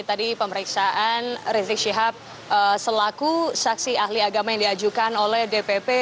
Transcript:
tadi pemeriksaan rizik syihab selaku saksi ahli agama yang diajukan oleh dpp